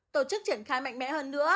tổ chức triển khai mạnh mẽ hơn nữa